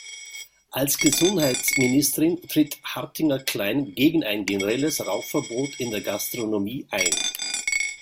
Als Gesundheitsministerin tritt Hartinger-Klein gegen ein generelles Rauchverbot in der Gastronomie ein.